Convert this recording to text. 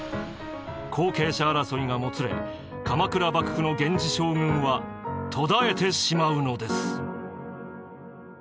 後継者争いがもつれ鎌倉幕府の源氏将軍は途絶えてしまうのです。